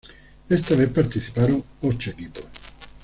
Esta vez participaron ocho equipos.